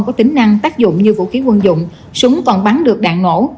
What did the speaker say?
có tính năng tác dụng như vũ khí quân dụng súng còn bắn được đạn nổ